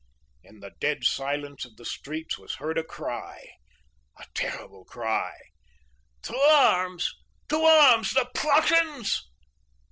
"In the dead silence of the streets was heard a cry, a terrible cry:—"'To arms!—to arms!—the Prussians.